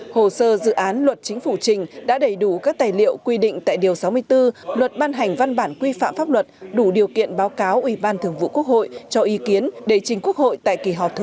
hồ sơ dự án luật chính phủ trình đã đầy đủ các tài liệu quy định tại điều sáu mươi bốn luật ban hành văn bản quy phạm pháp luật đủ điều kiện báo cáo ủy ban thường vụ quốc hội cho ý kiến để trình quốc hội tại kỳ họp thứ tám